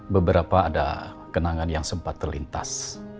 beberapa ada kenangan yang sempat terlintas